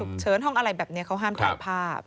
ห้องฉุกเฉินห้องอะไรแบบนี้เขาห้ามถามภาพ